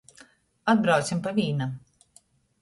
Atbraucem pa vīnam.